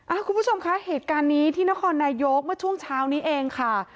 คุณผู้ชมคะเหตุการณ์นี้ที่นครนายกเมื่อช่วงเช้านี้เองค่ะ